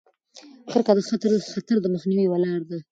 کرکه د خطر د مخنیوي یوه لاره ده.